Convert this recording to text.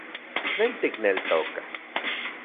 ¿Tlen tikneltoka...?